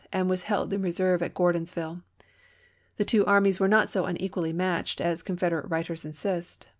and was held in reserve at Gordons^ille. The two armies were not so unequally matched as Confed erate wiiters insist.